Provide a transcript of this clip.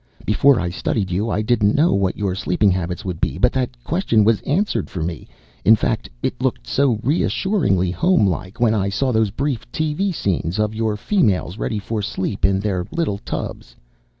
Before I studied you, I didn't know what your sleeping habits would be, but that question was answered for me in fact, it looked so reassuringly homelike when I saw those brief TV scenes of your females ready for sleep in their little tubs.